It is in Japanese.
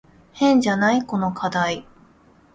変じゃない？この課題。